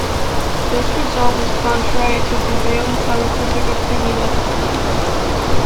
This result was contrary to prevailing scientific opinion at the time.